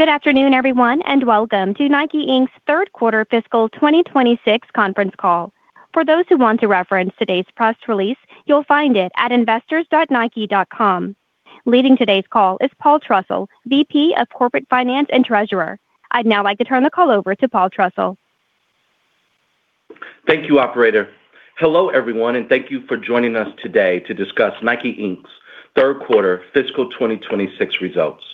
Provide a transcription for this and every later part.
Good afternoon, everyone, and welcome to Nike, Inc.'s third quarter fiscal 2026 conference call. For those who want to reference today's press release, you'll find it at investors.nike.com. Leading today's call is Paul Trussell, VP of Corporate Finance and Treasurer. I'd now like to turn the call over to Paul Trussell. Thank you, operator. Hello, everyone, and thank you for joining us today to discuss Nike, Inc.'s third quarter fiscal 2026 results.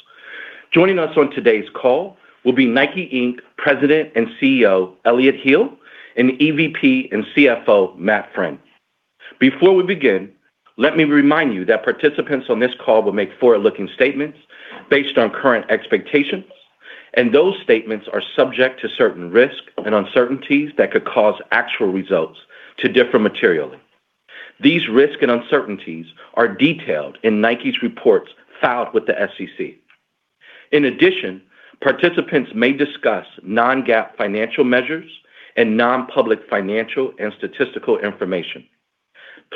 Joining us on today's call will be Nike, Inc. President and CEO, Elliott Hill, and EVP and CFO, Matt Friend. Before we begin, let me remind you that participants on this call will make forward-looking statements based on current expectations, and those statements are subject to certain risks and uncertainties that could cause actual results to differ materially. These risks and uncertainties are detailed in Nike's reports filed with the SEC. In addition, participants may discuss non-GAAP financial measures and non-public financial and statistical information.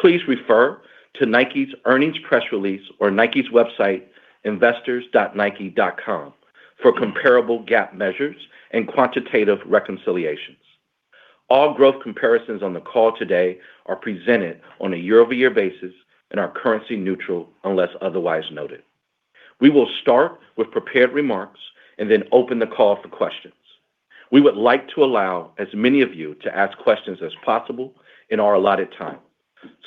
Please refer to Nike's earnings press release or Nike's website, investors.nike.com, for comparable GAAP measures and quantitative reconciliations. All growth comparisons on the call today are presented on a year-over-year basis and are currency neutral unless otherwise noted. We will start with prepared remarks and then open the call for questions. We would like to allow as many of you to ask questions as possible in our allotted time.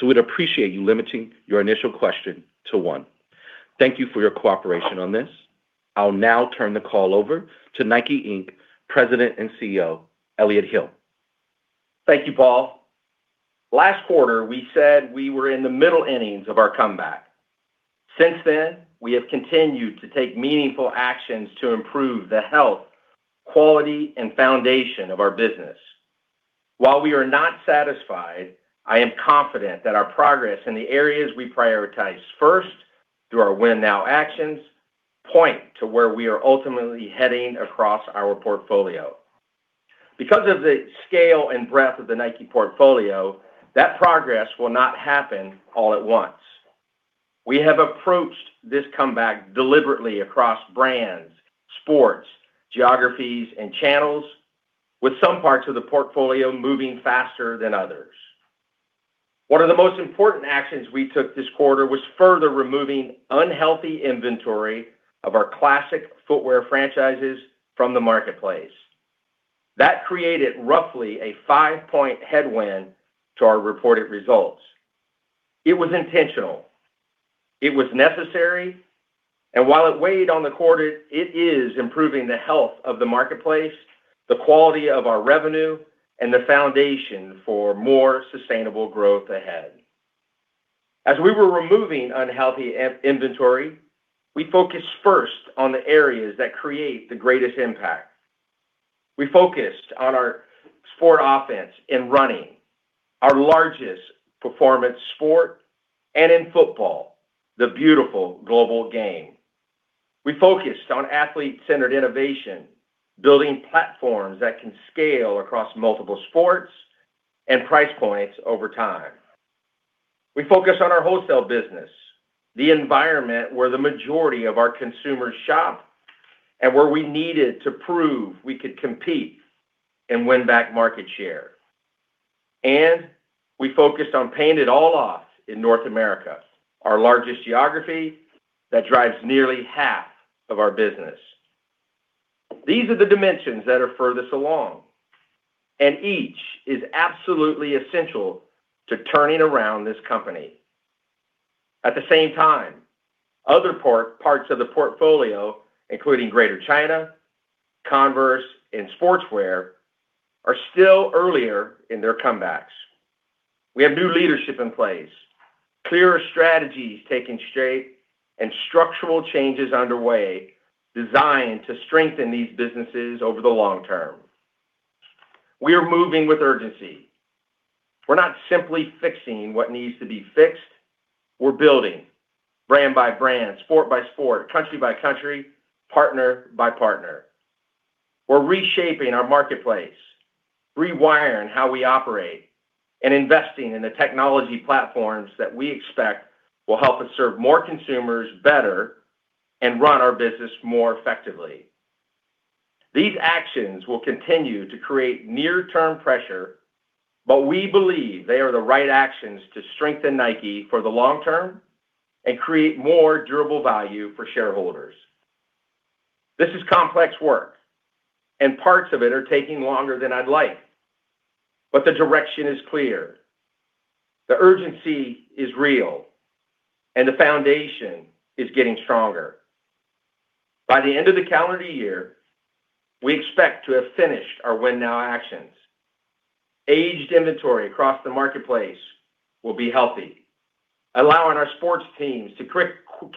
We'd appreciate you limiting your initial question to one. Thank you for your cooperation on this. I'll now turn the call over to Nike, Inc. President and CEO, Elliott Hill. Thank you, Paul. Last quarter, we said we were in the middle innings of our comeback. Since then, we have continued to take meaningful actions to improve the health, quality, and foundation of our business. While we are not satisfied, I am confident that our progress in the areas we prioritize first through our win now actions point to where we are ultimately heading across our portfolio. Because of the scale and breadth of the Nike portfolio, that progress will not happen all at once. We have approached this comeback deliberately across brands, sports, geographies, and channels, with some parts of the portfolio moving faster than others. One of the most important actions we took this quarter was further removing unhealthy inventory of our classic footwear franchises from the marketplace. That created roughly a five-point headwind to our reported results. It was intentional, it was necessary, and while it weighed on the quarter, it is improving the health of the marketplace, the quality of our revenue, and the foundation for more sustainable growth ahead. As we were removing unhealthy inventory, we focused first on the areas that create the greatest impact. We focused on our sports offensive in running, our largest performance sport and in football, the beautiful global game. We focused on athlete-centered innovation, building platforms that can scale across multiple sports and price points over time. We focused on our wholesale business, the environment where the majority of our consumers shop and where we needed to prove we could compete and win back market share. We focused on paying it all off in North America, our largest geography that drives nearly half of our business. These are the dimensions that are furthest along, and each is absolutely essential to turning around this company. At the same time, other parts of the portfolio, including Greater China, Converse, and Sportswear, are still earlier in their comebacks. We have new leadership in place, clearer strategies taking shape and structural changes underway designed to strengthen these businesses over the long term. We are moving with urgency. We're not simply fixing what needs to be fixed. We're building brand by brand, sport by sport, country by country, partner by partner. We're reshaping our marketplace, rewiring how we operate, and investing in the technology platforms that we expect will help us serve more consumers better and run our business more effectively. These actions will continue to create near-term pressure, but we believe they are the right actions to strengthen Nike for the long term and create more durable value for shareholders. This is complex work, and parts of it are taking longer than I'd like. The direction is clear, the urgency is real, and the foundation is getting stronger. By the end of the calendar year, we expect to have finished our win now actions. Aged inventory across the marketplace will be healthy, allowing our sports teams to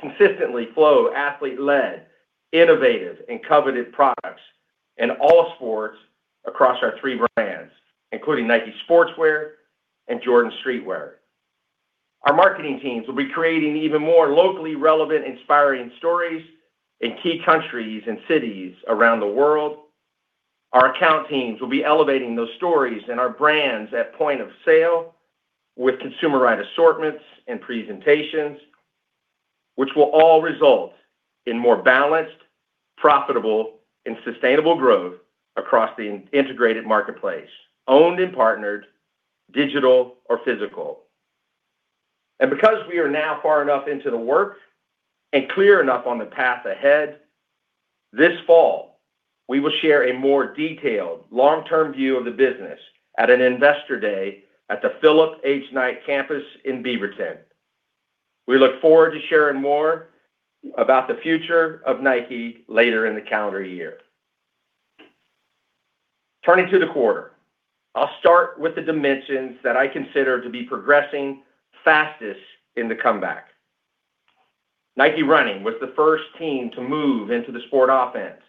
consistently flow athlete-led, innovative, and coveted products in all sports across our three brands, including Nike Sportswear and Jordan Streetwear. Our marketing teams will be creating even more locally relevant, inspiring stories in key countries and cities around the world. Our account teams will be elevating those stories and our brands at point of sale with consumer right assortments and presentations, which will all result in more balanced, profitable and sustainable growth across the integrated marketplace, owned and partnered, digital or physical. Because we are now far enough into the work and clear enough on the path ahead, this fall, we will share a more detailed long-term view of the business at an Investor Day at the Philip H. Knight Campus in Beaverton. We look forward to sharing more about the future of Nike later in the calendar year. Turning to the quarter, I'll start with the dimensions that I consider to be progressing fastest in the comeback. Nike Running was the first team to move into the sport offense.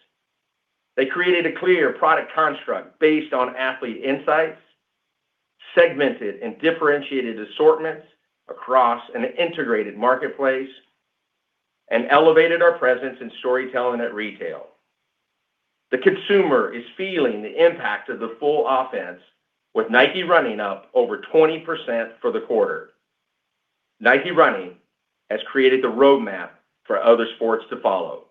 They created a clear product construct based on athlete insights, segmented and differentiated assortments across an integrated marketplace and elevated our presence in storytelling at retail. The consumer is feeling the impact of the full offense with Nike Running up over 20% for the quarter. Nike Running has created the roadmap for other sports to follow.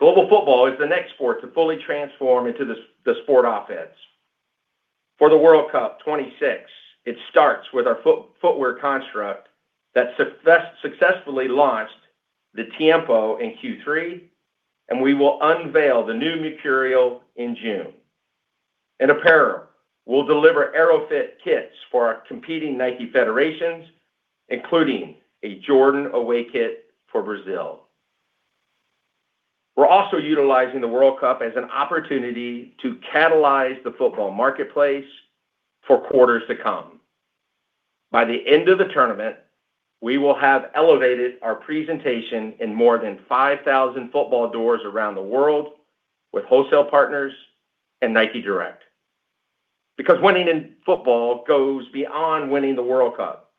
Global football is the next sport to fully transform into the sport offense. For the World Cup 2026, it starts with our footwear construct that successfully launched the Tiempo in Q3, and we will unveil the new Mercurial in June. In apparel, we'll deliver Aero-FIT kits for our competing Nike federations, including a Jordan Away kit for Brazil. We're also utilizing the World Cup as an opportunity to catalyze the football marketplace for quarters to come. By the end of the tournament, we will have elevated our presentation in more than 5,000 football doors around the world with wholesale partners and Nike Direct. Because winning in football goes beyond winning the World Cup.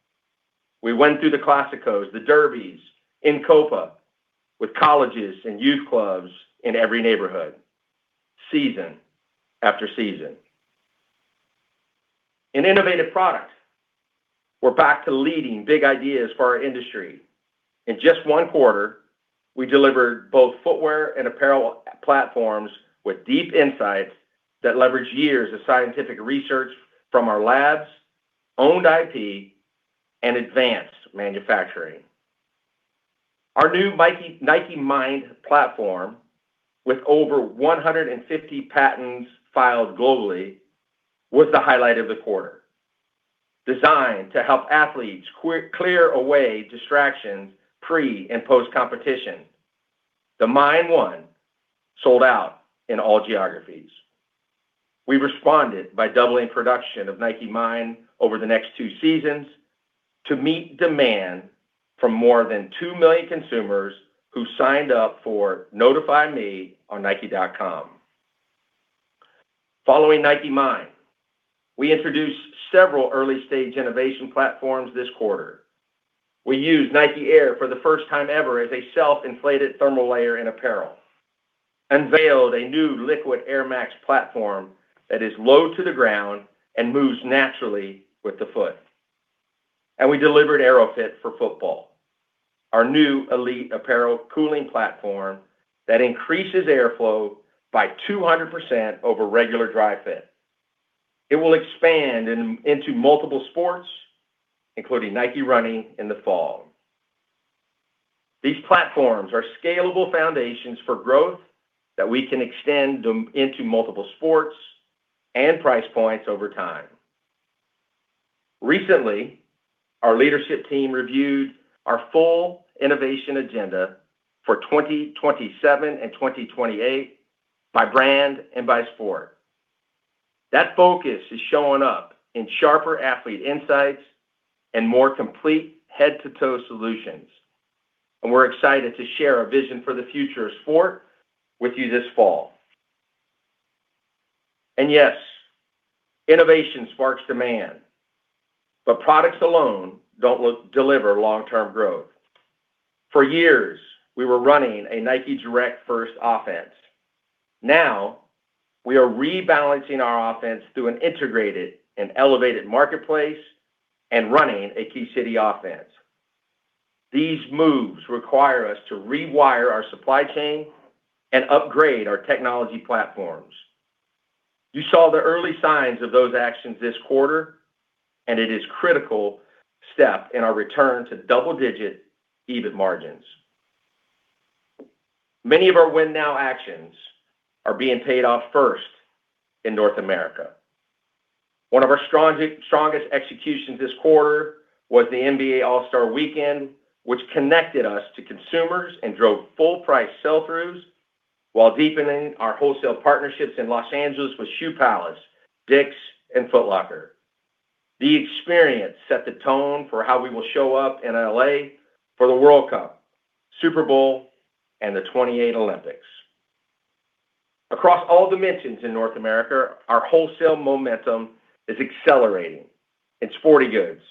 We went through the Clásicos, the derbies, in Copa with colleges and youth clubs in every neighborhood season after season. In innovative product, we're back to leading big ideas for our industry. In just one quarter, we delivered both footwear and apparel platforms with deep insights that leverage years of scientific research from our labs, owned IP and advanced manufacturing. Our new Nike Mind platform with over 150 patents filed globally was the highlight of the quarter. Designed to help athletes clear away distractions pre- and post-competition, the Mind 001 sold out in all geographies. We responded by doubling production of Nike Mind over the next two seasons to meet demand from more than 2,000,000 consumers who signed up for Notify Me on nike.com. Following Nike Mind, we introduced several early-stage innovation platforms this quarter. We used Nike Air for the first time ever as a self-inflated thermal layer in apparel, unveiled a new liquid Air Max platform that is low to the ground and moves naturally with the foot. We delivered Aero-FIT for football, our new elite apparel cooling platform that increases airflow by 200% over regular Dri-FIT. It will expand into multiple sports, including Nike Running in the fall. These platforms are scalable foundations for growth that we can extend them into multiple sports and price points over time. Recently, our leadership team reviewed our full innovation agenda for 2027 and 2028 by brand and by sport. That focus is showing up in sharper athlete insights and more complete head-to-toe solutions. We're excited to share a vision for the future of sport with you this fall. Yes, innovation sparks demand, but products alone don't deliver long-term growth. For years, we were running a Nike Direct first offense. Now we are rebalancing our offense through an integrated and elevated marketplace and running a key city offense. These moves require us to rewire our supply chain and upgrade our technology platforms. You saw the early signs of those actions this quarter, and it is a critical step in our return to double-digit EBIT margins. Many of our win now actions are being paid off first in North America. One of our strongest executions this quarter was the NBA All-Star Weekend, which connected us to consumers and drove full price sell-throughs while deepening our wholesale partnerships in Los Angeles with Shoe Palace, DICK's and Foot Locker. The experience set the tone for how we will show up in L.A. for the World Cup, Super Bowl and the 2028 Olympics. Across all dimensions in North America, our wholesale momentum is accelerating. In sporty goods,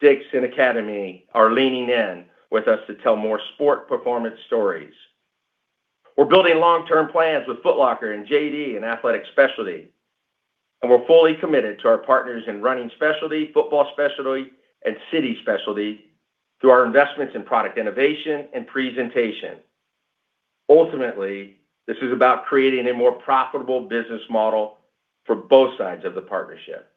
DICK's and Academy are leaning in with us to tell more sport performance stories. We're building long-term plans with Foot Locker and JD and athletic specialty, and we're fully committed to our partners in running specialty, football specialty, and city specialty through our investments in product innovation and presentation. Ultimately, this is about creating a more profitable business model for both sides of the partnership.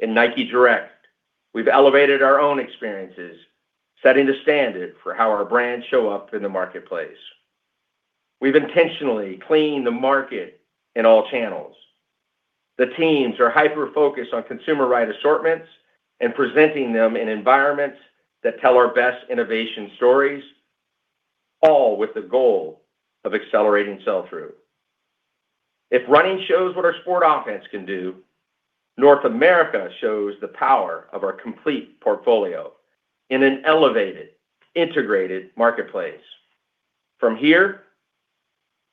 In Nike Direct, we've elevated our own experiences, setting the standard for how our brands show up in the marketplace. We've intentionally cleaned the market in all channels. The teams are hyper-focused on consumer right assortments and presenting them in environments that tell our best innovation stories, all with the goal of accelerating sell-through. If running shows what our sport offense can do, North America shows the power of our complete portfolio in an elevated, integrated marketplace. From here,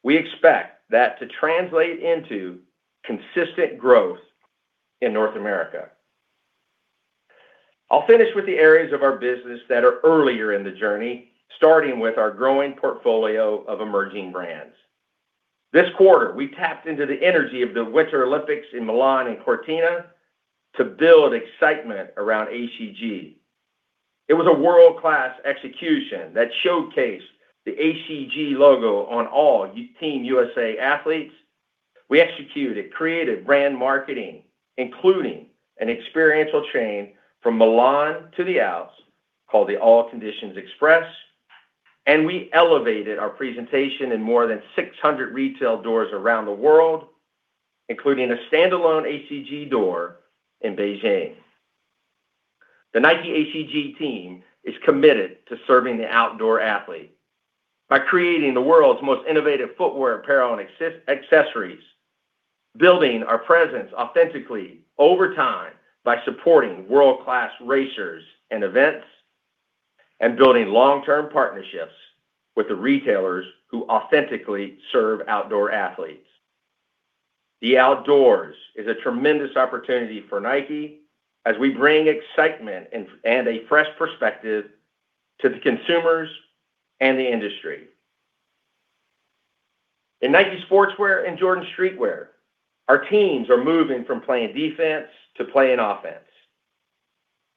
we expect that to translate into consistent growth in North America. I'll finish with the areas of our business that are earlier in the journey, starting with our growing portfolio of emerging brands. This quarter, we tapped into the energy of the Winter Olympics in Milan and Cortina to build excitement around ACG. It was a world-class execution that showcased the ACG logo on all team USA athletes. We executed creative brand marketing, including an experiential train from Milan to the Alps called the All Conditions Express, and we elevated our presentation in more than 600 retail doors around the world, including a standalone ACG door in Beijing. The Nike ACG team is committed to serving the outdoor athlete by creating the world's most innovative footwear, apparel, and accessories, building our presence authentically over time by supporting world-class racers and events, and building long-term partnerships with the retailers who authentically serve outdoor athletes. The outdoors is a tremendous opportunity for Nike as we bring excitement and a fresh perspective to the consumers and the industry. In Nike Sportswear and Jordan Streetwear, our teams are moving from playing defense to playing offense.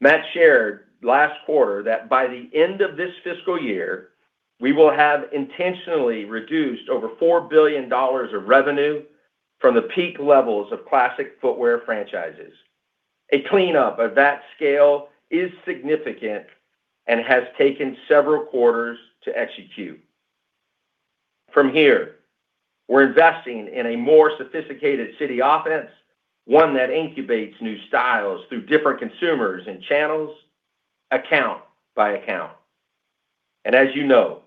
Matt shared last quarter that by the end of this fiscal year, we will have intentionally reduced over $4 billion of revenue from the peak levels of classic footwear franchises. A cleanup of that scale is significant and has taken several quarters to execute. From here, we're investing in a more sophisticated city offense, one that incubates new styles through different consumers and channels, account by account. As you know,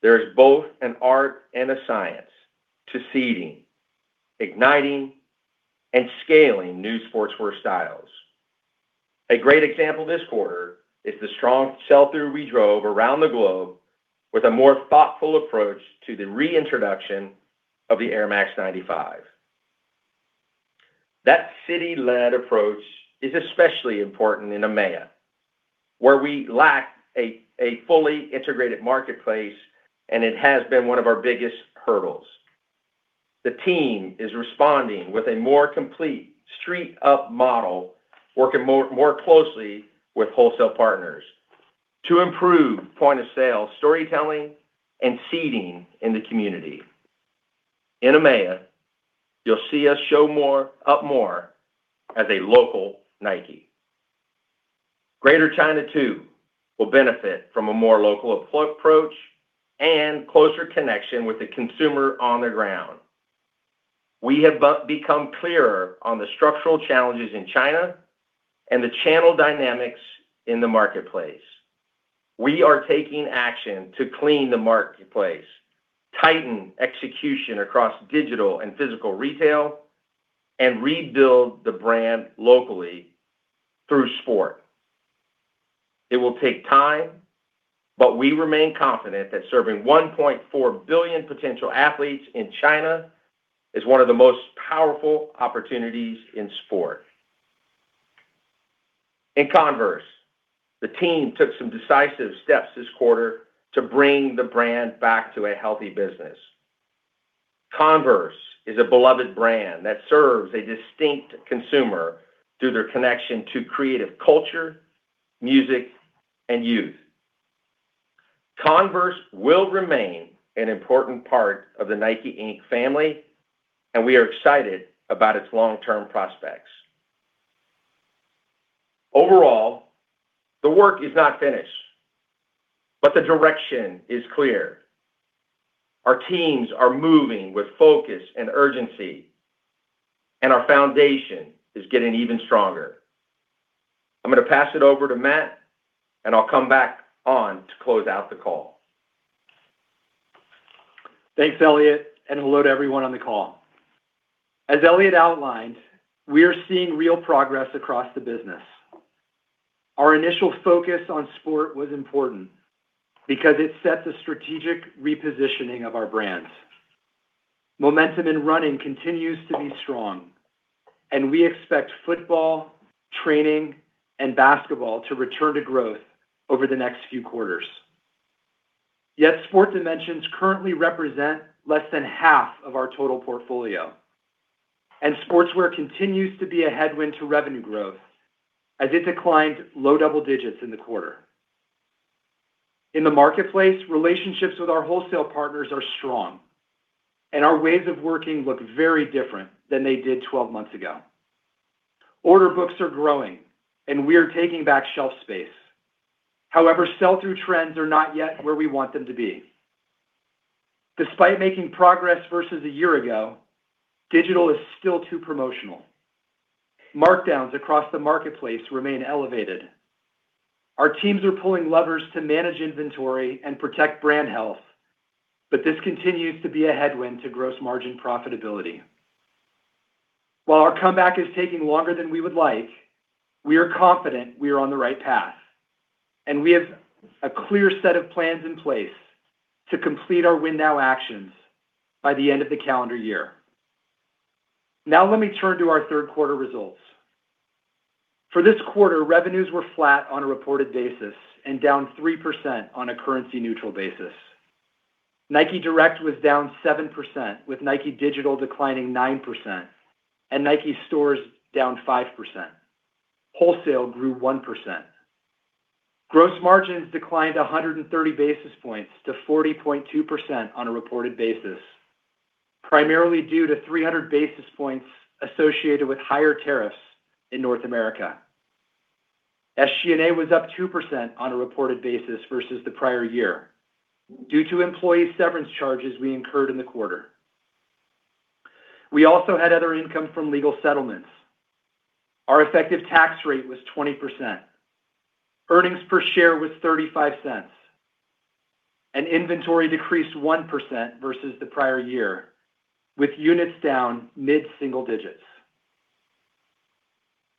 there is both an art and a science to seeding, igniting, and scaling new sportswear styles. A great example this quarter is the strong sell-through we drove around the globe with a more thoughtful approach to the reintroduction of the Air Max 95. That city-led approach is especially important in EMEA, where we lack a fully integrated marketplace, and it has been one of our biggest hurdles. The team is responding with a more complete street-up model, working more closely with wholesale partners to improve point-of-sale storytelling and seeding in the community. In EMEA, you'll see us show up more as a local Nike. Greater China, too, will benefit from a more local approach and closer connection with the consumer on the ground. We have become clearer on the structural challenges in China and the channel dynamics in the marketplace. We are taking action to clean the marketplace, tighten execution across digital and physical retail, and rebuild the brand locally through sport. It will take time, but we remain confident that serving 1.4 billion potential athletes in China is one of the most powerful opportunities in sport. In Converse, the team took some decisive steps this quarter to bring the brand back to a healthy business. Converse is a beloved brand that serves a distinct consumer through their connection to creative culture, music, and youth. Converse will remain an important part of the Nike, Inc. family, and we are excited about its long-term prospects. Overall, the work is not finished, but the direction is clear. Our teams are moving with focus and urgency, and our foundation is getting even stronger. I'm gonna pass it over to Matt, and I'll come back on to close out the call. Thanks, Elliott, and hello to everyone on the call. As Elliott outlined, we are seeing real progress across the business. Our initial focus on sport was important because it sets a strategic repositioning of our brands. Momentum in running continues to be strong, and we expect football, training, and basketball to return to growth over the next few quarters. Yet sports dimensions currently represent less than half of our total portfolio. Sportswear continues to be a headwind to revenue growth as it declined low double digits in the quarter. In the marketplace, relationships with our wholesale partners are strong, and our ways of working look very different than they did 12 months ago. Order books are growing and we are taking back shelf space. However, sell-through trends are not yet where we want them to be. Despite making progress versus a year ago, digital is still too promotional. Markdowns across the marketplace remain elevated. Our teams are pulling levers to manage inventory and protect brand health, but this continues to be a headwind to gross margin profitability. While our comeback is taking longer than we would like, we are confident we are on the right path, and we have a clear set of plans in place to complete our win now actions by the end of the calendar year. Now let me turn to our third quarter results. For this quarter, revenues were flat on a reported basis and down 3% on a currency neutral basis. Nike Direct was down 7%, with Nike Digital declining 9% and Nike stores down 5%. Wholesale grew 1%. Gross margins declined 130 basis points to 40.2% on a reported basis, primarily due to 300 basis points associated with higher tariffs in North America. SG&A was up 2% on a reported basis versus the prior year due to employee severance charges we incurred in the quarter. We also had other income from legal settlements. Our effective tax rate was 20%. Earnings per share was $0.35. Inventory decreased 1% versus the prior year, with units down mid-single digits.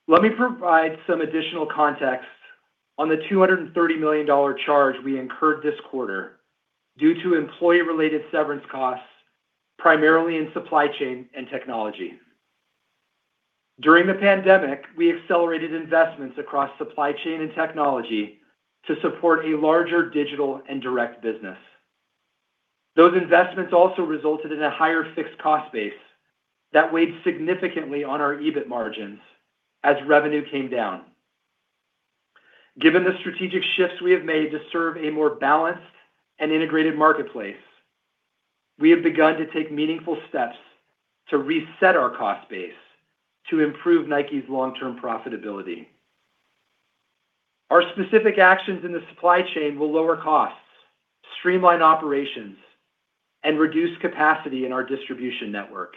Let me provide some additional context on the $230 million charge we incurred this quarter due to employee-related severance costs, primarily in supply chain and technology. During the pandemic, we accelerated investments across supply chain and technology to support a larger digital and direct business. Those investments also resulted in a higher fixed cost base that weighed significantly on our EBIT margins as revenue came down. Given the strategic shifts we have made to serve a more balanced and integrated marketplace, we have begun to take meaningful steps to reset our cost base to improve Nike's long-term profitability. Our specific actions in the supply chain will lower costs, streamline operations, and reduce capacity in our distribution network.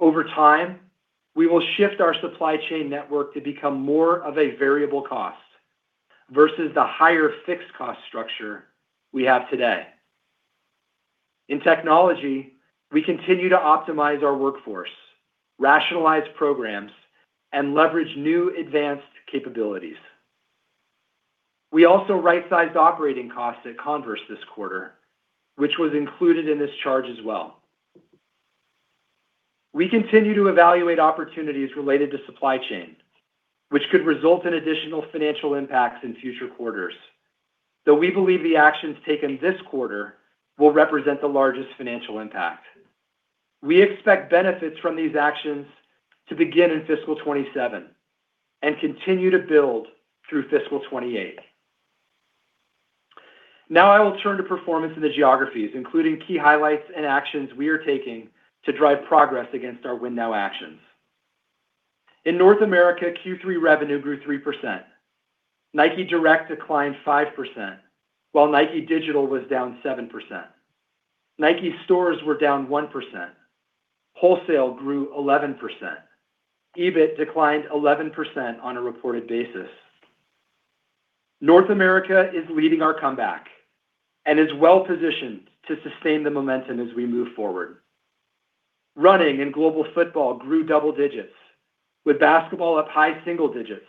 Over time, we will shift our supply chain network to become more of a variable cost versus the higher fixed cost structure we have today. In technology, we continue to optimize our workforce, rationalize programs, and leverage new advanced capabilities. We also right-sized operating costs at Converse this quarter, which was included in this charge as well. We continue to evaluate opportunities related to supply chain, which could result in additional financial impacts in future quarters, though we believe the actions taken this quarter will represent the largest financial impact. We expect benefits from these actions to begin in fiscal 2027 and continue to build through fiscal 2028. Now I will turn to performance in the geographies, including key highlights and actions we are taking to drive progress against our win now actions. In North America, Q3 revenue grew 3%. Nike Direct declined 5%, while Nike Digital was down 7%. Nike stores were down 1%. Wholesale grew 11%. EBIT declined 11% on a reported basis. North America is leading our comeback and is well positioned to sustain the momentum as we move forward. Running and global football grew double digits, with basketball up high single digits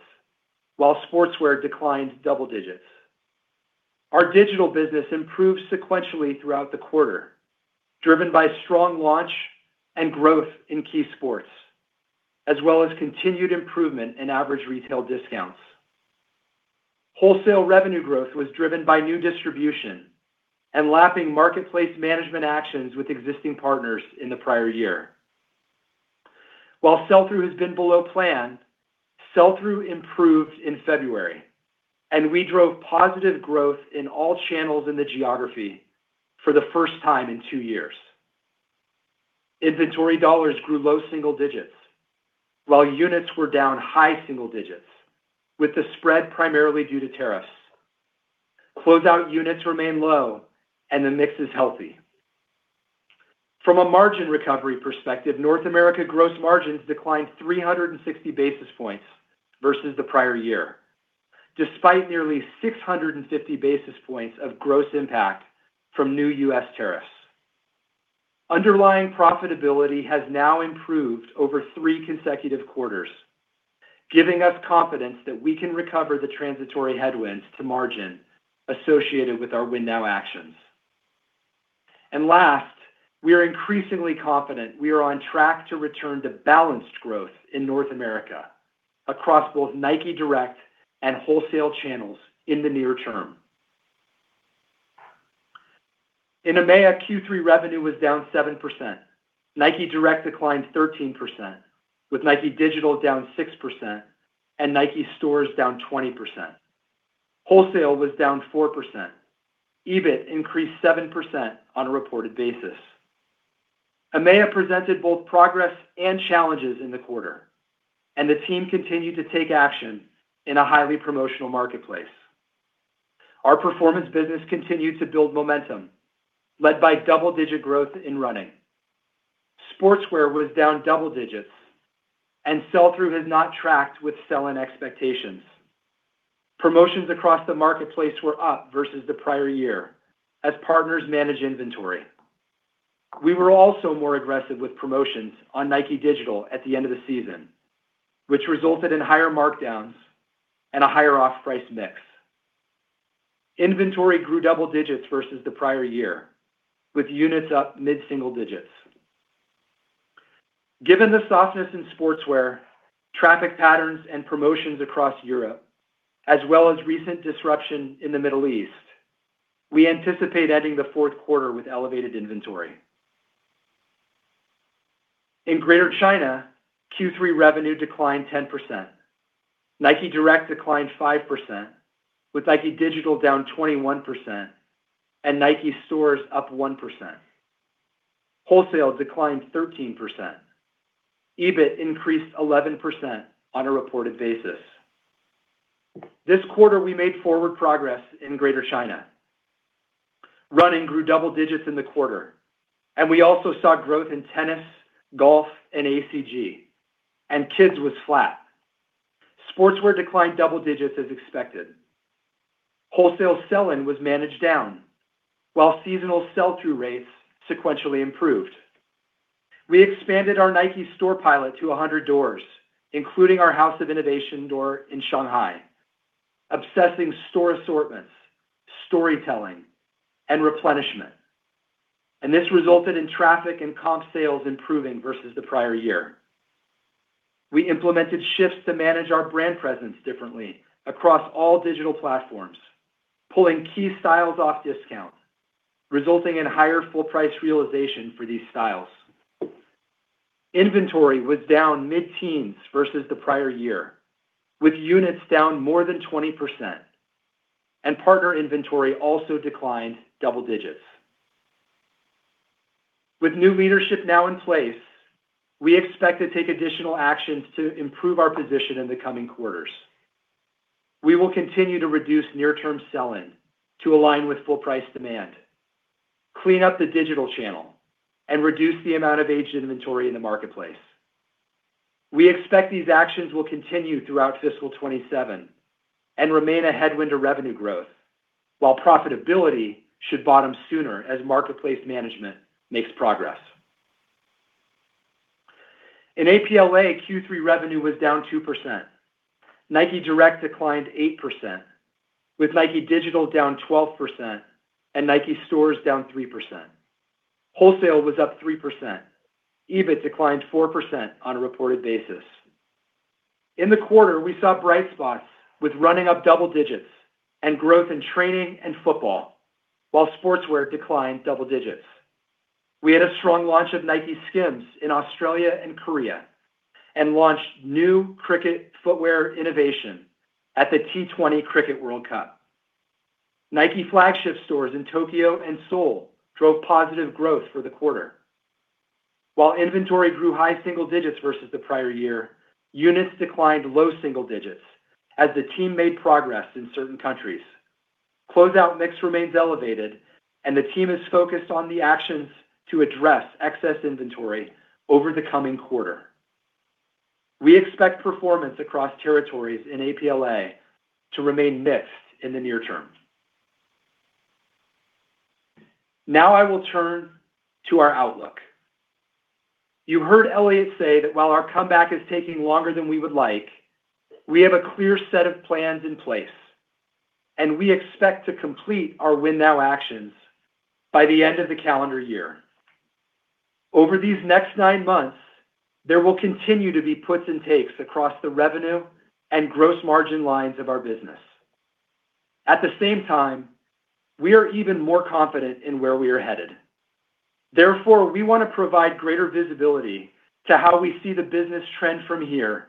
while sportswear declined double digits. Our digital business improved sequentially throughout the quarter, driven by strong launch and growth in key sports, as well as continued improvement in average retail discounts. Wholesale revenue growth was driven by new distribution and lapping marketplace management actions with existing partners in the prior year. While sell-through has been below plan, sell-through improved in February, and we drove positive growth in all channels in the geography for the first time in two years. Inventory dollars grew low single digits, while units were down high single digits with the spread primarily due to tariffs. Closeout units remain low and the mix is healthy. From a margin recovery perspective, North America gross margins declined 360 basis points versus the prior year, despite nearly 650 basis points of gross impact from new U.S. tariffs. Underlying profitability has now improved over three consecutive quarters, giving us confidence that we can recover the transitory headwinds to margin associated with our win now actions. Last, we are increasingly confident we are on track to return to balanced growth in North America across both Nike Direct and wholesale channels in the near term. In EMEA, Q3 revenue was down 7%. Nike Direct declined 13%, with Nike Digital down 6% and Nike stores down 20%. Wholesale was down 4%. EBIT increased 7% on a reported basis. EMEA presented both progress and challenges in the quarter, and the team continued to take action in a highly promotional marketplace. Our performance business continued to build momentum led by double-digit growth in running. Sportswear was down double digits and sell-through has not tracked with sell-in expectations. Promotions across the marketplace were up versus the prior year as partners managed inventory. We were also more aggressive with promotions on Nike Digital at the end of the season, which resulted in higher markdowns and a higher off-price mix. Inventory grew double digits versus the prior year, with units up mid-single digits. Given the softness in sportswear, traffic patterns and promotions across Europe, as well as recent disruption in the Middle East, we anticipate ending the fourth quarter with elevated inventory. In Greater China, Q3 revenue declined 10%. Nike Direct declined 5%, with Nike Digital down 21% and Nike stores up 1%. Wholesale declined 13%. EBIT increased 11% on a reported basis. This quarter, we made forward progress in Greater China. Running grew double digits in the quarter, and we also saw growth in tennis, golf, and ACG, and kids was flat. Sportswear declined double digits as expected. Wholesale sell-in was managed down, while seasonal sell-through rates sequentially improved. We expanded our Nike store pilot to 100 doors, including our House of Innovation door in Shanghai, obsessing store assortments, storytelling, and replenishment. This resulted in traffic and comp sales improving versus the prior year. We implemented shifts to manage our brand presence differently across all digital platforms, pulling key styles off discount, resulting in higher full price realization for these styles. Inventory was down mid-teens versus the prior year, with units down more than 20%, and partner inventory also declined double digits. With new leadership now in place, we expect to take additional actions to improve our position in the coming quarters. We will continue to reduce near term sell-in to align with full price demand, clean up the digital channel and reduce the amount of aged inventory in the marketplace. We expect these actions will continue throughout fiscal 2027 and remain a headwind to revenue growth, while profitability should bottom sooner as marketplace management makes progress. In APLA, Q3 revenue was down 2%. Nike Direct declined 8%, with Nike Digital down 12% and Nike stores down 3%. Wholesale was up 3%. EBIT declined 4% on a reported basis. In the quarter, we saw bright spots with running up double digits and growth in training and football while sportswear declined double digits. We had a strong launch of NikeSKIMS in Australia and Korea and launched new cricket footwear innovation at the T20 Cricket World Cup. Nike flagship stores in Tokyo and Seoul drove positive growth for the quarter. While inventory grew high single digits versus the prior year, units declined low single digits as the team made progress in certain countries. Closeout mix remains elevated and the team is focused on the actions to address excess inventory over the coming quarter. We expect performance across territories in APLA to remain mixed in the near term. Now I will turn to our outlook. You heard Elliott say that while our comeback is taking longer than we would like, we have a clear set of plans in place and we expect to complete our Win Now actions by the end of the calendar year. Over these next nine months, there will continue to be puts and takes across the revenue and gross margin lines of our business. At the same time, we are even more confident in where we are headed. Therefore, we want to provide greater visibility to how we see the business trend from here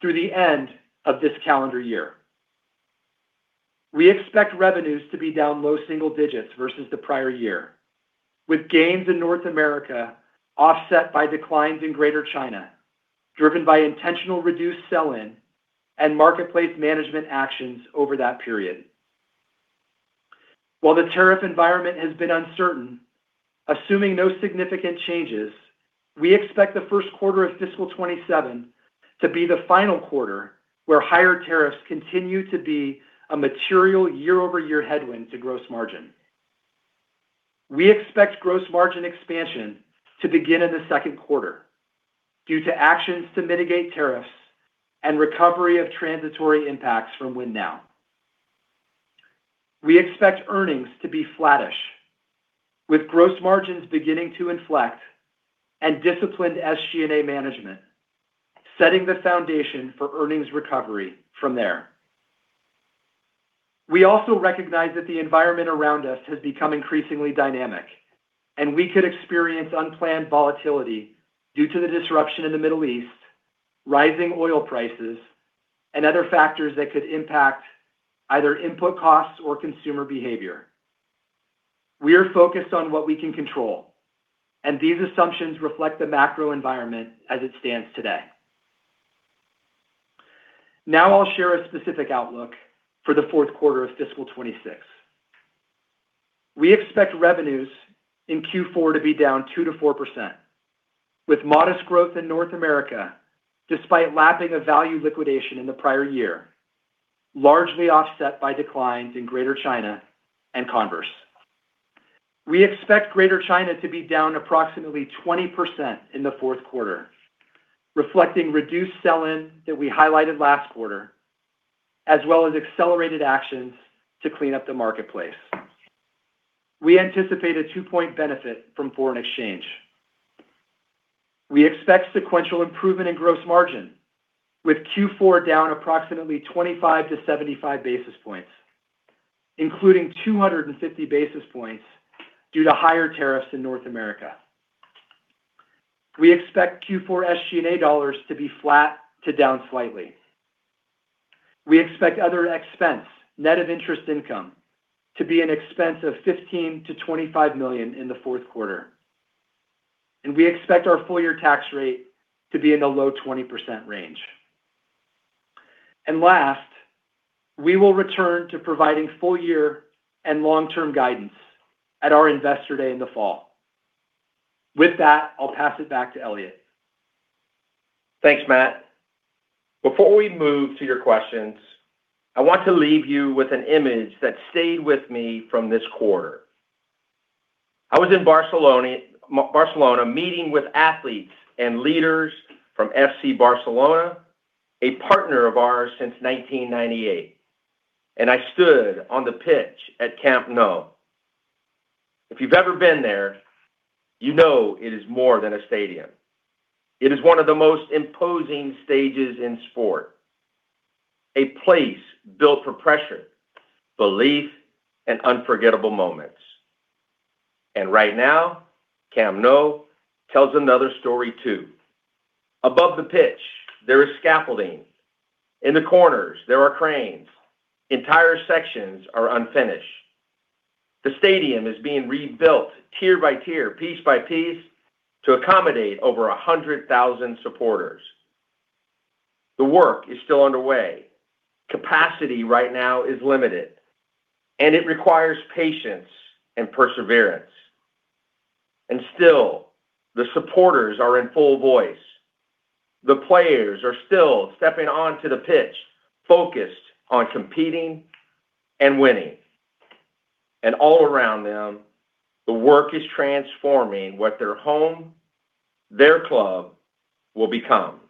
through the end of this calendar year. We expect revenues to be down low single digits versus the prior year, with gains in North America offset by declines in Greater China, driven by intentional reduced sell-in and marketplace management actions over that period. While the tariff environment has been uncertain, assuming no significant changes. We expect the first quarter of fiscal 2027 to be the final quarter where higher tariffs continue to be a material year-over-year headwind to gross margin. We expect gross margin expansion to begin in the second quarter due to actions to mitigate tariffs and recovery of transitory impacts from win now. We expect earnings to be flattish with gross margins beginning to inflect and disciplined SG&A management, setting the foundation for earnings recovery from there. We also recognize that the environment around us has become increasingly dynamic, and we could experience unplanned volatility due to the disruption in the Middle East, rising oil prices, and other factors that could impact either input costs or consumer behavior. We are focused on what we can control, and these assumptions reflect the macro environment as it stands today. Now I'll share a specific outlook for the fourth quarter of fiscal 2026. We expect revenues in Q4 to be down 2%-4%, with modest growth in North America despite lapping a value liquidation in the prior year, largely offset by declines in Greater China and Converse. We expect Greater China to be down approximately 20% in the fourth quarter, reflecting reduced sell-in that we highlighted last quarter, as well as accelerated actions to clean up the marketplace. We anticipate a two-point benefit from foreign exchange. We expect sequential improvement in gross margin, with Q4 down approximately 25-75 basis points, including 250 basis points due to higher tariffs in North America. We expect Q4 SG&A dollars to be flat to down slightly. We expect other expense, net of interest income, to be an expense of $15 million-$25 million in the fourth quarter. We expect our full year tax rate to be in the low-20% range. Last, we will return to providing full year and long-term guidance at our Investor Day in the fall. With that, I'll pass it back to Elliott. Thanks, Matt. Before we move to your questions, I want to leave you with an image that stayed with me from this quarter. I was in Barcelona meeting with athletes and leaders from FC Barcelona, a partner of ours since 1998, and I stood on the pitch at Camp Nou. If you've ever been there, you know it is more than a stadium. It is one of the most imposing stages in sport, a place built for pressure, belief, and unforgettable moments. Right now, Camp Nou tells another story too. Above the pitch, there is scaffolding. In the corners, there are cranes. Entire sections are unfinished. The stadium is being rebuilt tier by tier, piece by piece to accommodate over 100,000 supporters. The work is still underway. Capacity right now is limited, and it requires patience and perseverance. Still, the supporters are in full voice. The players are still stepping onto the pitch, focused on competing and winning. All around them, the work is transforming what their home, their club, will become.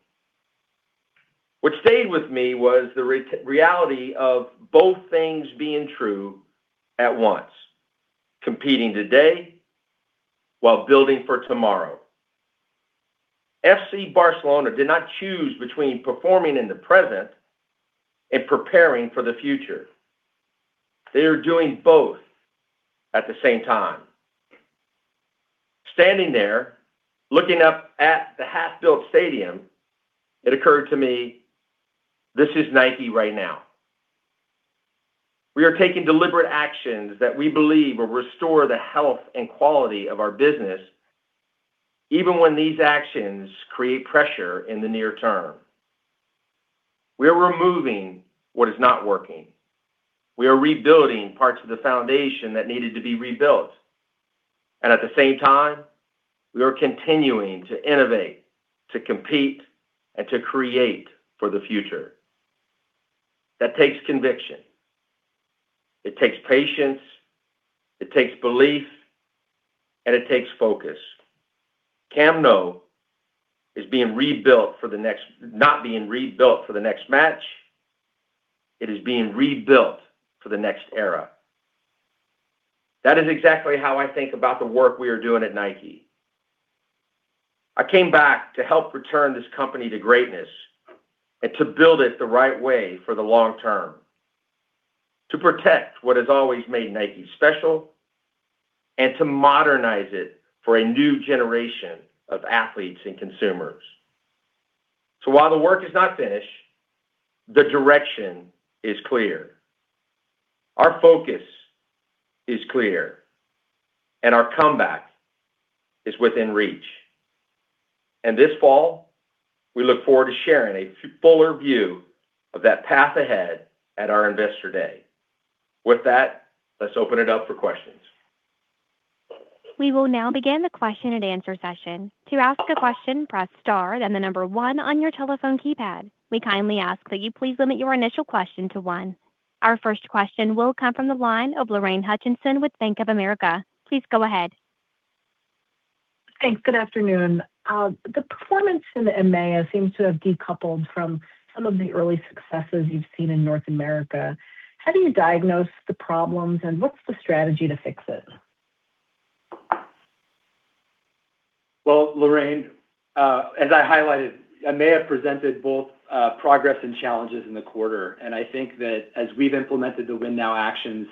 What stayed with me was the reality of both things being true at once, competing today while building for tomorrow. FC Barcelona did not choose between performing in the present and preparing for the future. They are doing both at the same time. Standing there, looking up at the half-built stadium, it occurred to me this is Nike right now. We are taking deliberate actions that we believe will restore the health and quality of our business even when these actions create pressure in the near term. We are removing what is not working. We are rebuilding parts of the foundation that needed to be rebuilt. At the same time, we are continuing to innovate, to compete, and to create for the future. That takes conviction, it takes patience, it takes belief, and it takes focus. Camp Nou is being rebuilt for the next—not being rebuilt for the next match. It is being rebuilt for the next era. That is exactly how I think about the work we are doing at Nike. I came back to help return this company to greatness and to build it the right way for the long term, to protect what has always made Nike special, and to modernize it for a new generation of athletes and consumers. While the work is not finished, the direction is clear, our focus is clear, and our comeback is within reach. This fall, we look forward to sharing a fuller view of that path ahead at our Investor Day. With that, let's open it up for questions. We will now begin the question and answer session. To ask a question, press star then the number one on your telephone keypad. We kindly ask that you please limit your initial question to one. Our first question will come from the line of Lorraine Hutchinson with Bank of America. Please go ahead. Thanks. Good afternoon. The performance in EMEA seems to have decoupled from some of the early successes you've seen in North America. How do you diagnose the problems, and what's the strategy to fix it? Well, Lorraine, as I highlighted, EMEA presented both progress and challenges in the quarter. I think that as we've implemented the win now actions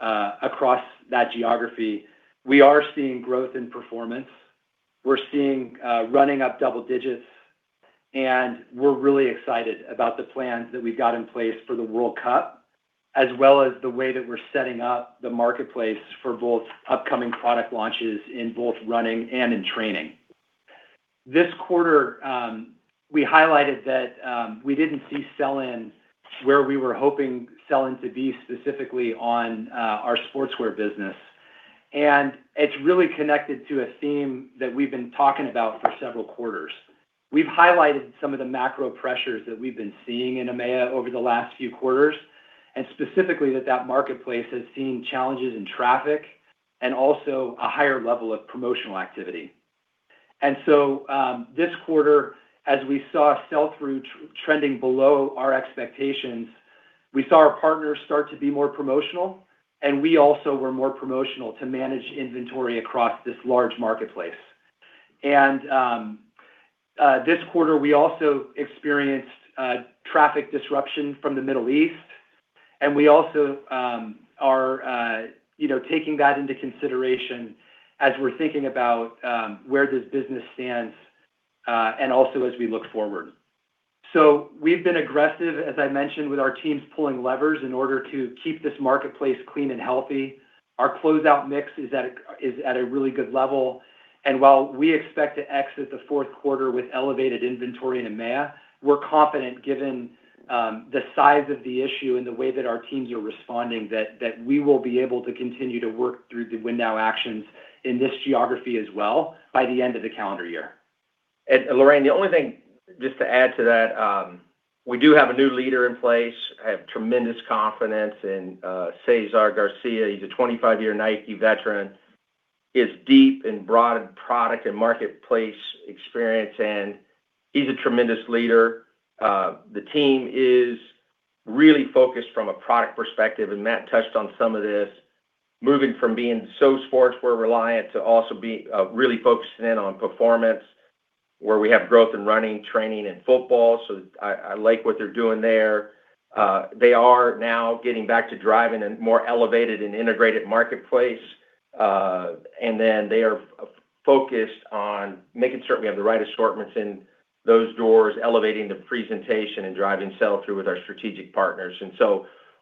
across that geography, we are seeing growth in performance. We're seeing running up double digits, and we're really excited about the plans that we've got in place for the World Cup, as well as the way that we're setting up the marketplace for both upcoming product launches in both running and in training. This quarter, we highlighted that we didn't see sell-ins where we were hoping sell-in to be specifically on our Sportswear business. It's really connected to a theme that we've been talking about for several quarters. We've highlighted some of the macro pressures that we've been seeing in EMEA over the last few quarters, and specifically that marketplace has seen challenges in traffic and also a higher level of promotional activity. This quarter, as we saw sell-through trending below our expectations, we saw our partners start to be more promotional, and we also were more promotional to manage inventory across this large marketplace. This quarter, we also experienced traffic disruption from the Middle East, and we also are you know taking that into consideration as we're thinking about where this business stands, and also as we look forward. We've been aggressive, as I mentioned, with our teams pulling levers in order to keep this marketplace clean and healthy. Our closeout mix is at a really good level. While we expect to exit the fourth quarter with elevated inventory in EMEA, we're confident given the size of the issue and the way that our teams are responding that we will be able to continue to work through the win now actions in this geography as well by the end of the calendar year. Lorraine, the only thing just to add to that, we do have a new leader in place. I have tremendous confidence in César García. He's a 25-year Nike veteran. He's deep in broad product and marketplace experience, and he's a tremendous leader. The team is really focused from a product perspective, and Matt touched on some of this, moving from being so sportswear reliant to also really focusing in on performance where we have growth in running, training, and football. I like what they're doing there. They are now getting back to driving a more elevated and integrated marketplace. They are focused on making certain we have the right assortments in those doors, elevating the presentation, and driving sell-through with our strategic partners.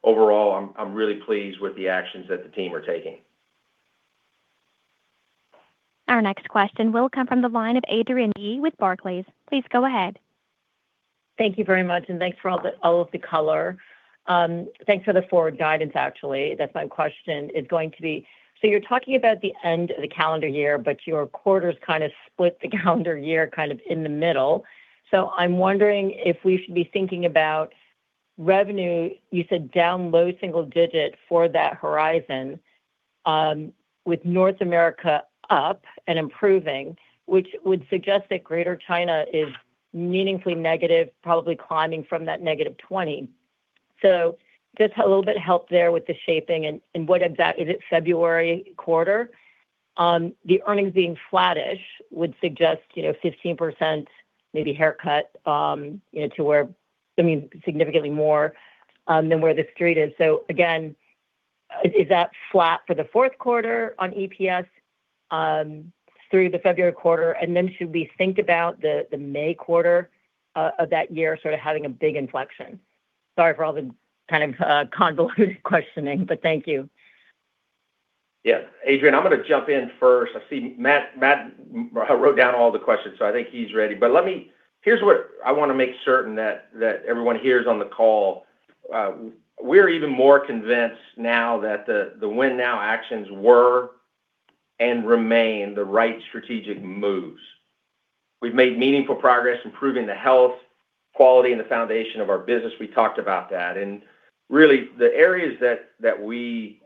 Overall, I'm really pleased with the actions that the team are taking. Our next question will come from the line of Adrienne Yih with Barclays. Please go ahead. Thank you very much, and thanks for all of the color. Thanks for the forward guidance, actually. That's my question is going to be: So you're talking about the end of the calendar year, but your quarters kind of split the calendar year kind of in the middle. So I'm wondering if we should be thinking about revenue, you said down low single digit for that horizon, with North America up and improving, which would suggest that Greater China is meaningfully negative, probably climbing from that -20%. So just a little bit of help there with the shaping and Is it February quarter? The earnings being flattish would suggest, you know, 15% maybe haircut, you know, to where I mean, significantly more than where the street is. Again, is that flat for the fourth quarter on EPS through the February quarter? And then should we think about the May quarter of that year sort of having a big inflection? Sorry for all the kind of convoluted questioning, but thank you. Yeah. Adrienne, I'm gonna jump in first. I see Matt wrote down all the questions, so I think he's ready. Here's what I wanna make certain that everyone hears on the call. We're even more convinced now that the Win Now actions were and remain the right strategic moves. We've made meaningful progress improving the health, quality, and the foundation of our business. We talked about that. Really the areas that we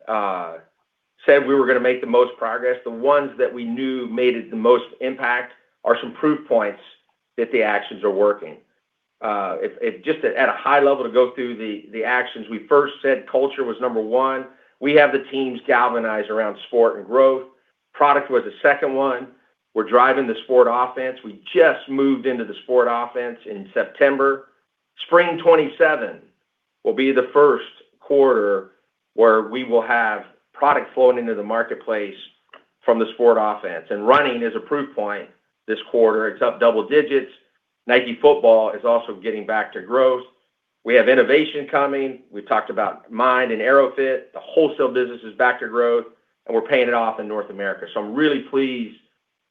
said we were gonna make the most progress, the ones that we knew made the most impact are some proof points that the actions are working. Just at a high level to go through the actions, we first said culture was number one. We have the teams galvanized around sport and growth. Product was the second one. We're driving the sport offense. We just moved into the sport offense in September. Spring 2027 will be the first quarter where we will have product flowing into the marketplace from the sport offense. Running is a proof point this quarter. It's up double digits. Nike Football is also getting back to growth. We have innovation coming. We talked about Mind and Aero-FIT. The wholesale business is back to growth, and we're paying it off in North America. I'm really pleased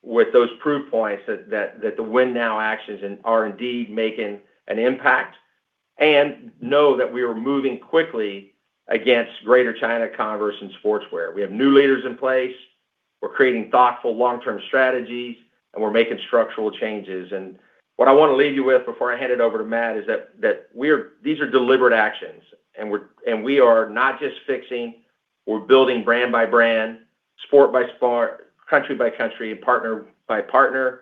with those proof points that the win now actions are indeed making an impact and I know that we are moving quickly against Greater China commerce and sportswear. We have new leaders in place. We're creating thoughtful long-term strategies and we're making structural changes. What I want to leave you with before I hand it over to Matt is that these are deliberate actions and we are not just fixing. We're building brand by brand, sport by sport, country by country, partner by partner.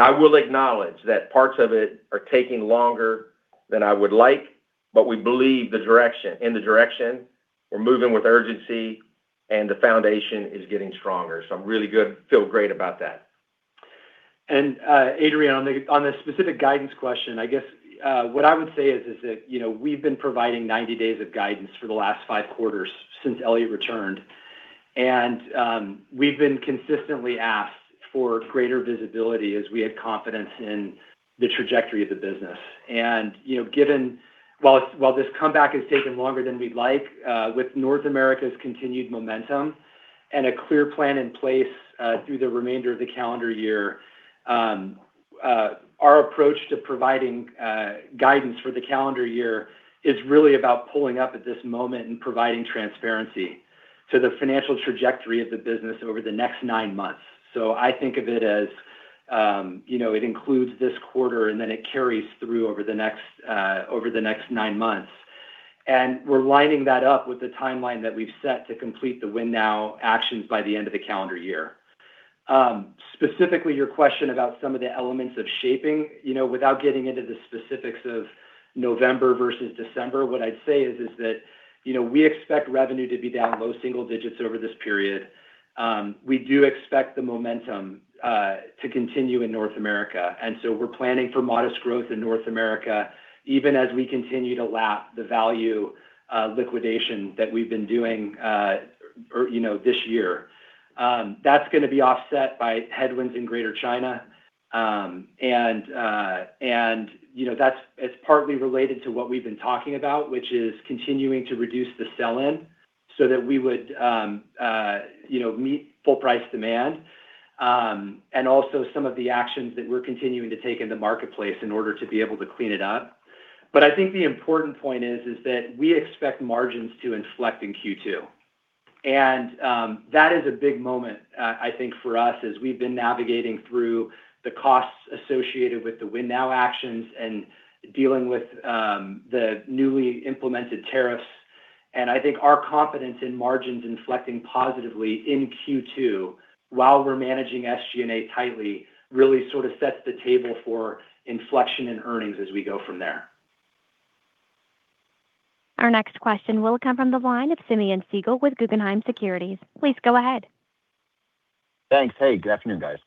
I will acknowledge that parts of it are taking longer than I would like, but we believe in the direction. We're moving with urgency and the foundation is getting stronger. I'm really good. I feel great about that. Adrienne, on the specific guidance question, I guess what I would say is that we've been providing 90 days of guidance for the last five quarters since Elliott returned. We've been consistently asked for greater visibility as we had confidence in the trajectory of the business. Given while this comeback has taken longer than we'd like with North America's continued momentum and a clear plan in place through the remainder of the calendar year, our approach to providing guidance for the calendar year is really about pulling up at this moment and providing transparency to the financial trajectory of the business over the next nine months. I think of it as it includes this quarter and then it carries through over the next nine months. We're lining that up with the timeline that we've set to complete the Win Now actions by the end of the calendar year. Specifically, your question about some of the elements of shaping, without getting into the specifics of November versus December, what I'd say is that we expect revenue to be down low single digits over this period. We do expect the momentum to continue in North America. We're planning for modest growth in North America, even as we continue to lap the value liquidation that we've been doing this year. That's going to be offset by headwinds in Greater China. It's partly related to what we've been talking about, which is continuing to reduce the sell-in so that we would meet full price demand and also some of the actions that we're continuing to take in the marketplace in order to be able to clean it up. I think the important point is that we expect margins to inflect in Q2. That is a big moment, I think, for us as we've been navigating through the costs associated with the win now actions and dealing with the newly implemented tariffs. I think our confidence in margins inflecting positively in Q2 while we're managing SG&A tightly really sort of sets the table for inflection in earnings as we go from there. Our next question will come from the line of Simeon Siegel with Guggenheim Securities. Please go ahead. Thanks. Hey, good afternoon, guys.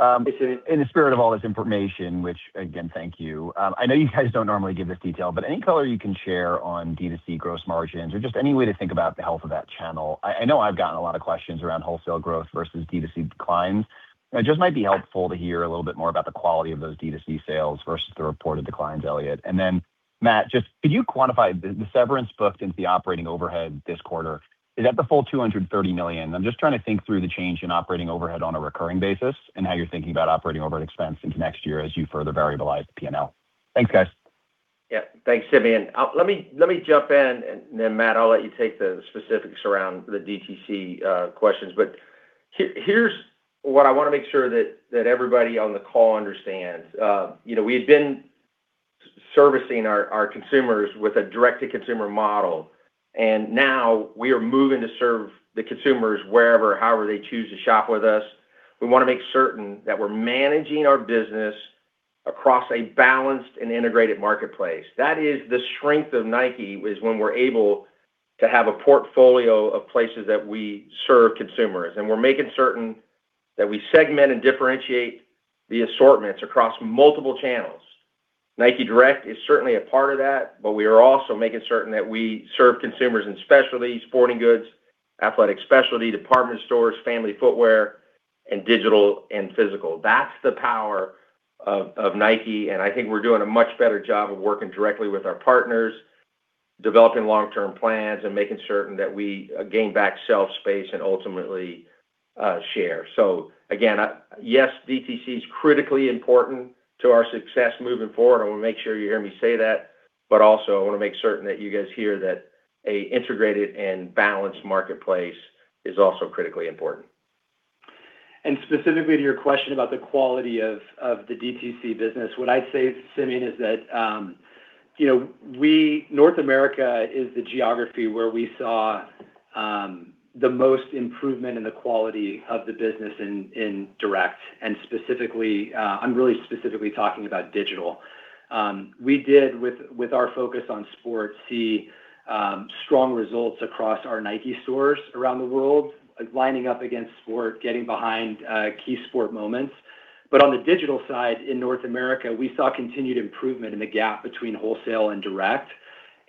In the spirit of all this information, which, again, thank you. I know you guys don't normally give this detail, but any color you can share on D2C gross margins or just any way to think about the health of that channel. I know I've gotten a lot of questions around wholesale growth versus D2C declines. It just might be helpful to hear a little bit more about the quality of those D2C sales versus the reported declines, Elliott. Then, Matt, just could you quantify the severance booked into the operating overhead this quarter? Is that the full $230 million? I'm just trying to think through the change in operating overhead on a recurring basis and how you're thinking about operating overhead expense into next year as you further variabilize the P&L. Thanks, guys. Yeah. Thanks, Simeon. Let me jump in and then, Matt, I'll let you take the specifics around the D2C questions. Here's what I want to make sure that everybody on the call understands. We had been servicing our consumers with a direct-to-consumer model, and now we are moving to serve the consumers wherever, however they choose to shop with us. We want to make certain that we're managing our business across a balanced and integrated marketplace. That is the strength of Nike is when we're able to have a portfolio of places that we serve consumers. We're making certain that we segment and differentiate the assortments across multiple channels. Nike Direct is certainly a part of that, but we are also making certain that we serve consumers in specialty, sporting goods, athletic specialty, department stores, family footwear, and digital and physical. That's the power of Nike. I think we're doing a much better job of working directly with our partners, developing long-term plans, and making certain that we gain back shelf space and ultimately share. Again, yes, D2C is critically important to our success moving forward. I want to make sure you hear me say that. Also, I want to make certain that you guys hear that an integrated and balanced marketplace is also critically important. Specifically to your question about the quality of the D2C business, what I'd say, Simeon, is that North America is the geography where we saw the most improvement in the quality of the business in direct. Specifically, I'm really specifically talking about digital. We did, with our focus on sports, see strong results across our Nike stores around the world, lining up against sport, getting behind key sport moments. On the digital side in North America, we saw continued improvement in the gap between wholesale and direct.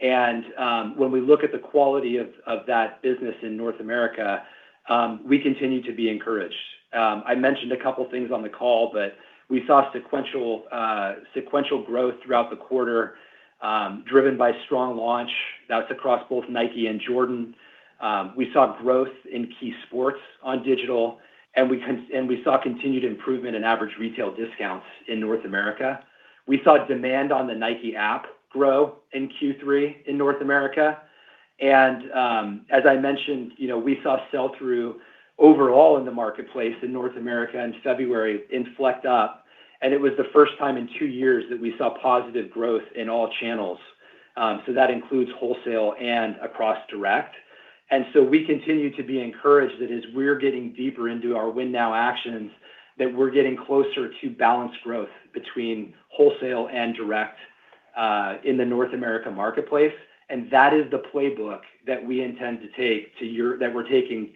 When we look at the quality of that business in North America, we continue to be encouraged. I mentioned a couple things on the call, but we saw sequential growth throughout the quarter, driven by strong launch, that's across both Nike and Jordan. We saw growth in key sports on digital, and we saw continued improvement in average retail discounts in North America. We saw demand on the Nike App grow in Q3 in North America. As I mentioned, you know, we saw sell-through overall in the marketplace in North America in February inflect up, and it was the first time in two years that we saw positive growth in all channels. That includes wholesale and across direct. We continue to be encouraged that as we're getting deeper into our win now actions, that we're getting closer to balanced growth between wholesale and direct in the North America marketplace. That is the playbook that we're taking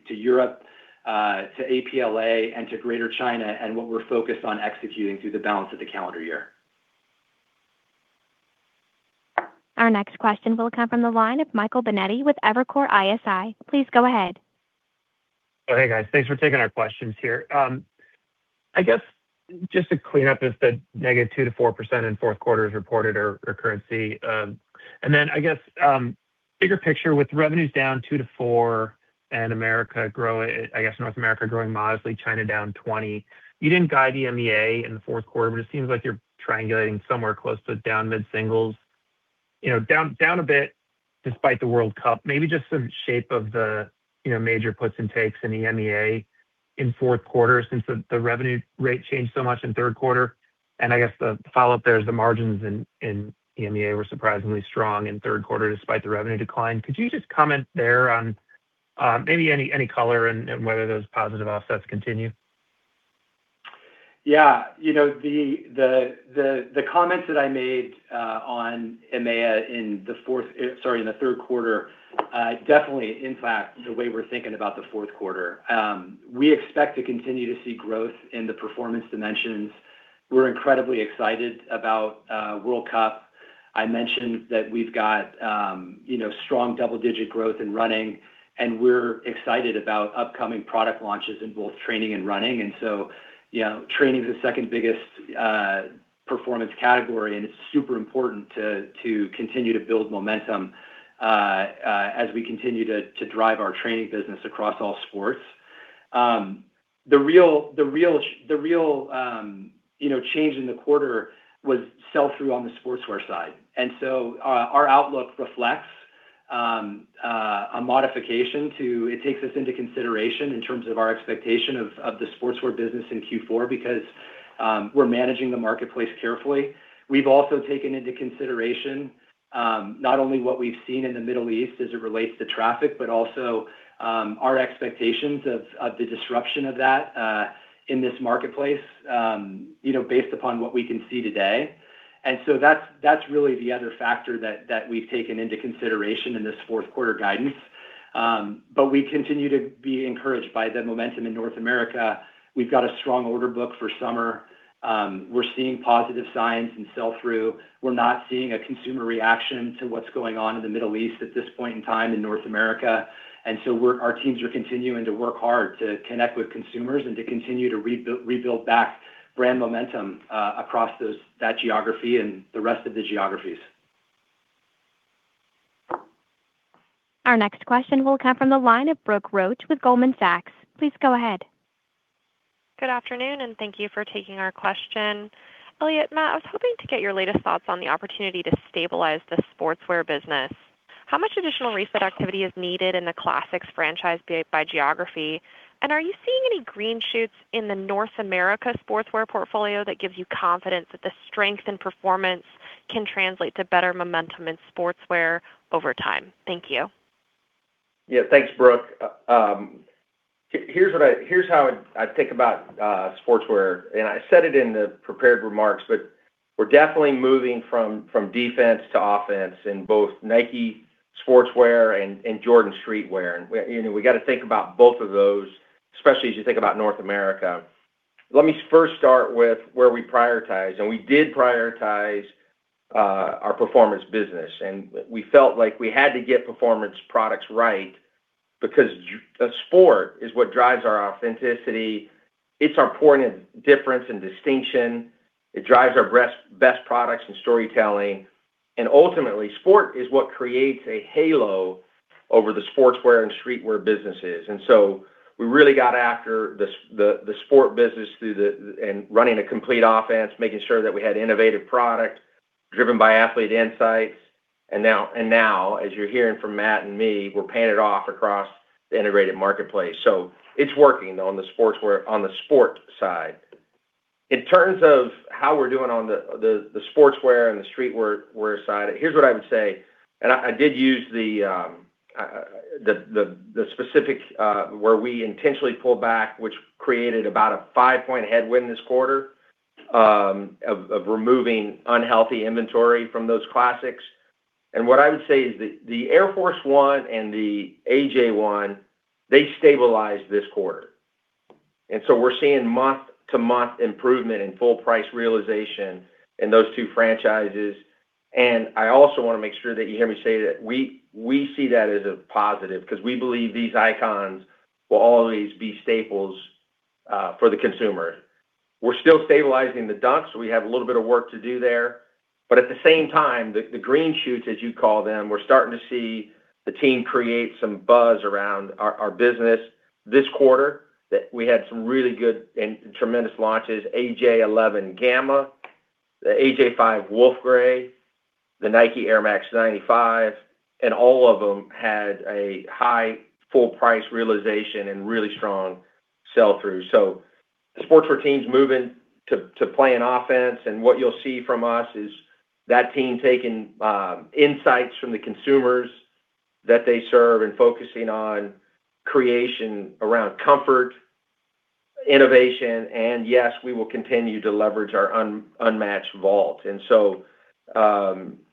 to Europe, to APLA, and to Greater China, and what we're focused on executing through the balance of the calendar year. Our next question will come from the line of Michael Binetti with Evercore ISI. Please go ahead. Oh, hey, guys. Thanks for taking our questions here. I guess just to clean up, is that -4% in fourth quarter reported or currency? And then I guess, bigger picture, with revenues down 2%-4% and North America growing modestly, China down 20%, you didn't guide EMEA in the fourth quarter, but it seems like you're triangulating somewhere close to down mid-singles. You know, down a bit despite the World Cup. Maybe just some shape of the, you know, major puts and takes in EMEA in fourth quarter since the revenue rate changed so much in third quarter. I guess the follow-up there is the margins in EMEA were surprisingly strong in third quarter despite the revenue decline. Could you just comment there on, maybe any color and whether those positive offsets continue? You know, the comments that I made on EMEA in the third quarter definitely impact the way we're thinking about the fourth quarter. We expect to continue to see growth in the performance dimensions. We're incredibly excited about World Cup. I mentioned that we've got strong double-digit growth in running, and we're excited about upcoming product launches in both training and running. You know, training's the second biggest performance category, and it's super important to continue to build momentum as we continue to drive our training business across all sports. The real change in the quarter was sell-through on the sportswear side. Our outlook reflects a modification too. It takes this into consideration in terms of our expectation of the sportswear business in Q4 because we're managing the marketplace carefully. We've also taken into consideration not only what we've seen in the Middle East as it relates to traffic, but also our expectations of the disruption of that in this marketplace, you know, based upon what we can see today. That's really the other factor that we've taken into consideration in this fourth quarter guidance. We continue to be encouraged by the momentum in North America. We've got a strong order book for summer. We're seeing positive signs in sell-through. We're not seeing a consumer reaction to what's going on in the Middle East at this point in time in North America. Our teams are continuing to work hard to connect with consumers and to continue to rebuild back brand momentum across those, that geography and the rest of the geographies. Our next question will come from the line of Brooke Roach with Goldman Sachs. Please go ahead. Good afternoon, and thank you for taking our question. Elliot, Matt, I was hoping to get your latest thoughts on the opportunity to stabilize the sportswear business. How much additional reset activity is needed in the Classics franchise by geography? And are you seeing any green shoots in the North America sportswear portfolio that gives you confidence that the strength in performance can translate to better momentum in sportswear over time? Thank you. Yeah. Thanks, Brooke. Here's how I think about sportswear, and I said it in the prepared remarks, but we're definitely moving from defense to offense in both Nike Sportswear and Jordan Streetwear. We, you know, we gotta think about both of those, especially as you think about North America. Let me first start with where we prioritize, and we did prioritize our performance business. We felt like we had to get performance products right because sport is what drives our authenticity. It's our point of difference and distinction. It drives our best products and storytelling. Ultimately, sport is what creates a halo over the sportswear and streetwear businesses. We really got after the sport business through and running a complete offense, making sure that we had innovative product driven by athlete insights. Now, as you're hearing from Matt and me, we're paying it off across the integrated marketplace. It's working on the sportswear, on the sport side. In terms of how we're doing on the sportswear and the streetwear side, here's what I would say. I did use the specific where we intentionally pulled back, which created about a five-point headwind this quarter, of removing unhealthy inventory from those Classics. What I would say is the Air Force 1 and the AJ1, they stabilized this quarter. We're seeing month-to-month improvement in full price realization in those two franchises. I also wanna make sure that you hear me say that we see that as a positive because we believe these icons will always be staples. For the consumer. We're still stabilizing the Dunks. We have a little bit of work to do there. At the same time, the green shoots, as you call them, we're starting to see the team create some buzz around our business this quarter that we had some really good and tremendous launches, AJ11 Gamma, the AJ5 Wolf Grey, the Nike Air Max 95, and all of them had a high full price realization and really strong sell-through. The Sportswear team's moving to play an offense, and what you'll see from us is that team taking insights from the consumers that they serve and focusing on creation around comfort, innovation. Yes, we will continue to leverage our unmatched vault.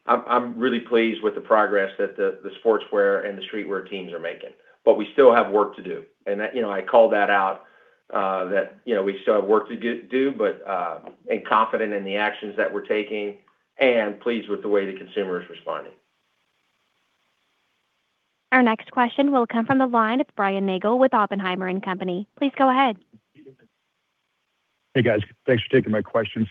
I'm really pleased with the progress that the Sportswear and the streetwear teams are making. We still have work to do, and that, you know, I call that out, that, you know, we still have work to do, and confident in the actions that we're taking and pleased with the way the consumer is responding. Our next question will come from the line of Brian Nagel with Oppenheimer & Company. Please go ahead. Hey, guys. Thanks for taking my questions.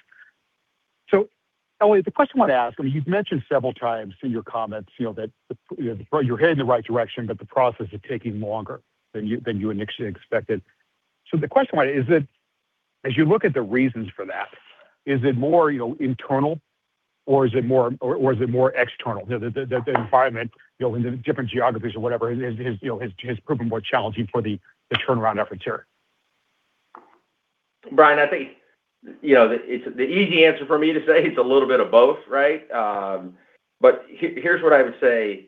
Elliott, the question I want to ask, I mean, you've mentioned several times in your comments, you know, that the, you know, you're headed in the right direction, but the process is taking longer than you initially expected. The question is that as you look at the reasons for that, is it more, you know, internal or is it more external? The environment, you know, in the different geographies or whatever is, you know, has proven more challenging for the turnaround effort here. Brian, I think, you know, it's the easy answer for me to say it's a little bit of both, right? But here's what I would say.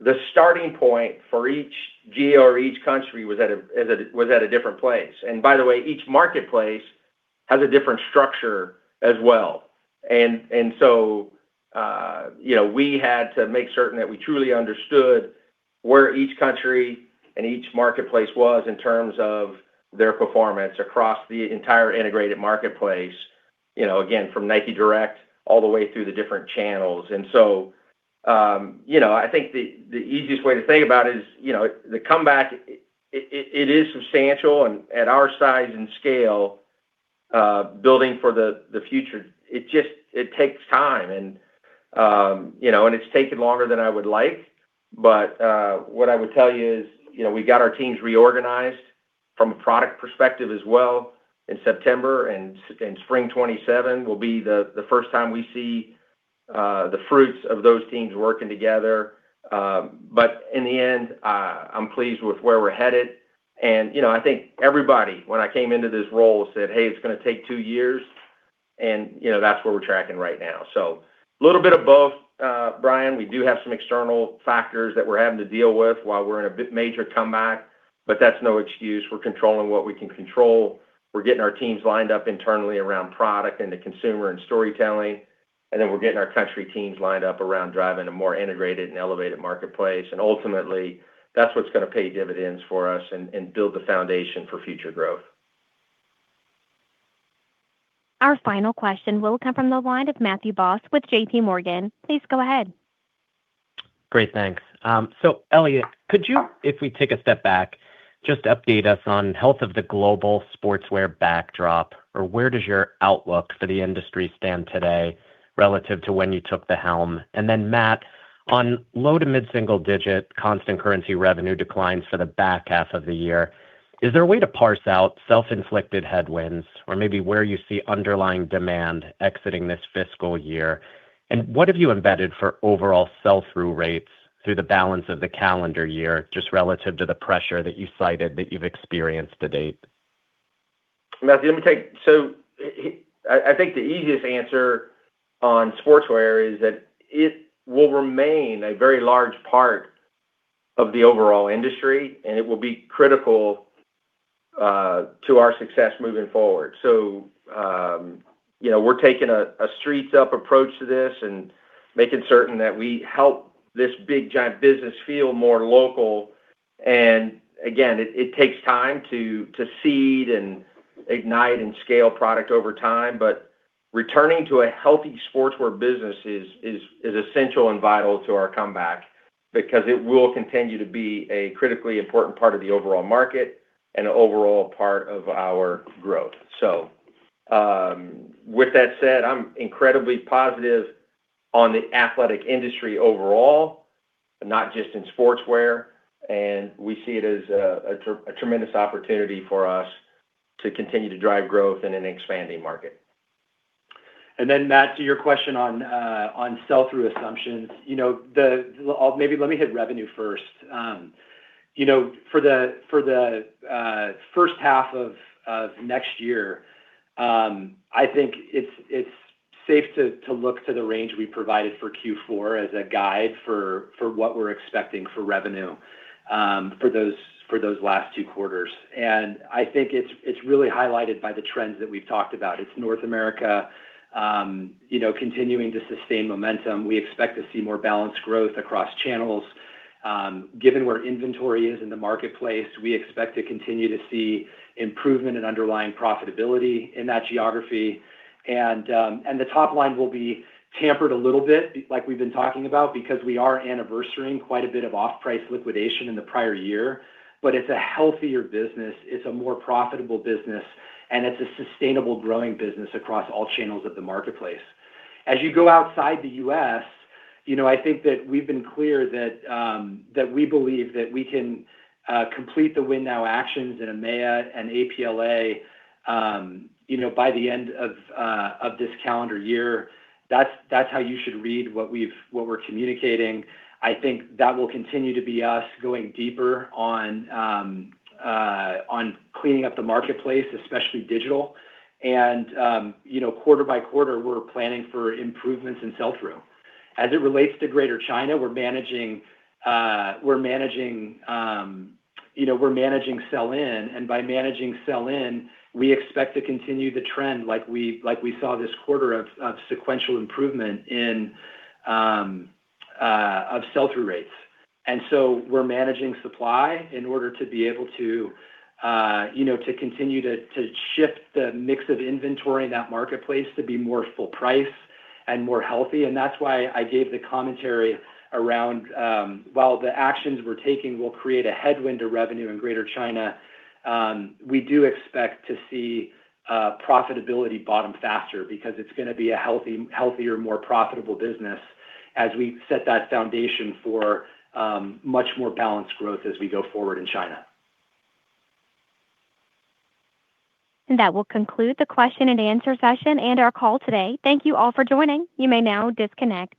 The starting point for each GR or each country was at a different place. By the way, each marketplace has a different structure as well. You know, we had to make certain that we truly understood where each country and each marketplace was in terms of their performance across the entire integrated marketplace, you know, again, from Nike Direct all the way through the different channels. You know, I think the easiest way to think about it is, you know, the comeback, it is substantial and at our size and scale, building for the future, it just takes time and, you know, and it's taken longer than I would like. What I would tell you is, you know, we got our teams reorganized from a product perspective as well in September, and Spring 2027 will be the first time we see the fruits of those teams working together. In the end, I'm pleased with where we're headed. You know, I think everybody when I came into this role said, "Hey, it's gonna take two years," and, you know, that's where we're tracking right now. A little bit of both, Brian. We do have some external factors that we're having to deal with while we're in a bit major comeback, but that's no excuse. We're controlling what we can control. We're getting our teams lined up internally around product and the consumer and storytelling, and then we're getting our country teams lined up around driving a more integrated and elevated marketplace. Ultimately, that's what's gonna pay dividends for us and build the foundation for future growth. Our final question will come from the line of Matthew Boss with JPMorgan. Please go ahead. Great. Thanks. Elliott, could you, if we take a step back, just update us on health of the global sportswear backdrop or where does your outlook for the industry stand today relative to when you took the helm? Matt, on low to mid-single-digit constant currency revenue declines for the back half of the year. Is there a way to parse out self-inflicted headwinds or maybe where you see underlying demand exiting this fiscal year? What have you embedded for overall sell-through rates through the balance of the calendar year just relative to the pressure that you cited that you've experienced to date? Matthew, I think the easiest answer on Sportswear is that it will remain a very large part of the overall industry, and it will be critical to our success moving forward. You know, we're taking a bottoms-up approach to this and making certain that we help this big giant business feel more local. It takes time to seed and ignite and scale product over time. Returning to a healthy Sportswear business is essential and vital to our comeback because it will continue to be a critically important part of the overall market and an overall part of our growth. With that said, I'm incredibly positive on the athletic industry overall, not just in sportswear, and we see it as a tremendous opportunity for us to continue to drive growth in an expanding market. Matt, to your question on sell-through assumptions. You know, maybe let me hit revenue first. You know, for the first half of next year, I think it's safe to look to the range we provided for Q4 as a guide for what we're expecting for revenue, for those last two quarters. I think it's really highlighted by the trends that we've talked about. It's North America, you know, continuing to sustain momentum. We expect to see more balanced growth across channels. Given where inventory is in the marketplace, we expect to continue to see improvement in underlying profitability in that geography. The top line will be tempered a little bit like we've been talking about because we are anniversarying quite a bit of off-price liquidation in the prior year. It's a healthier business, it's a more profitable business, and it's a sustainable growing business across all channels of the marketplace. As you go outside the U.S., you know, I think that we've been clear that that we believe that we can complete the win now actions in EMEA and APLA, you know, by the end of of this calendar year. That's how you should read what we're communicating. I think that will continue to be us going deeper on cleaning up the marketplace, especially digital. You know, quarter-by-quarter, we're planning for improvements in sell-through. As it relates to Greater China, we're managing sell-in, and by managing sell-in, we expect to continue the trend like we saw this quarter of sequential improvement in sell-through rates. We're managing supply in order to be able to continue to shift the mix of inventory in that marketplace to be more full price and more healthy. That's why I gave the commentary around, while the actions we're taking will create a headwind to revenue in Greater China, we do expect to see profitability bottom faster because it's gonna be a healthier, more profitable business as we set that foundation for much more balanced growth as we go forward in China. That will conclude the question and answer session and our call today. Thank you all for joining. You may now disconnect.